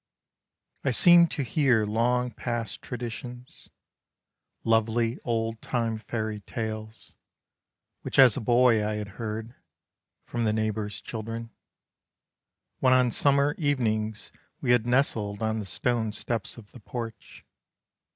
I seemed to hear long past traditions, Lovely old time fairy tales, Which as a boy I had heard, From the neighbor's children, When on summer evenings we had nestled On the stone steps of the porch.